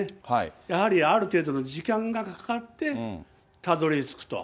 やはりある程度の時間がかかって、たどりつくと。